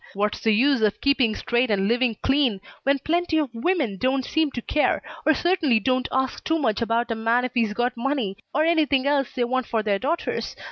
What's the use of keeping straight and living clean when plenty of women don't seem to care, or certainly don't ask too much about a man if he's got money, or anything else they want for their daughters?